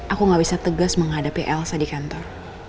aku gak bisa tegas menghadapi elsa di kantor